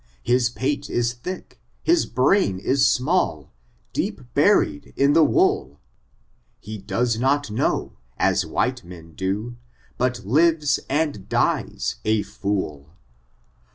His pate is thick, his brain is small, deep baried np in wool — He does not tnew, as white men do, hot lives and dies a fool.